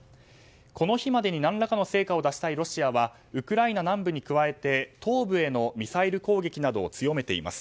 この日までに何らかの成果を出したいロシアはウクライナ南部に加えて東部へのミサイル攻撃などを強めています。